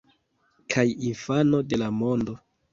Kaj infano de la mondo.